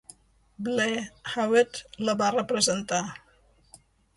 Blair Howard la va representar.